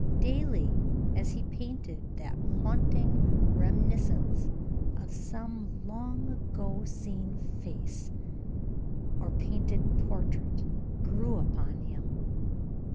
Daily, as he painted, that haunting reminiscence of some long ago seen face, or painted portrait, grew upon him.